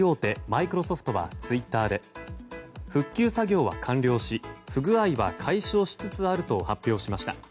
マイクロソフトはツイッターで復旧作業は完了し、不具合は解消しつつあるとしました。